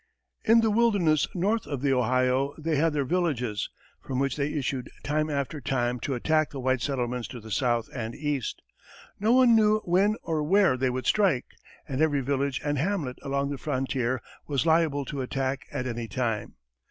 In the wilderness north of the Ohio they had their villages, from which they issued time after time to attack the white settlements to the south and east. No one knew when or where they would strike, and every village and hamlet along the frontier was liable to attack at any time.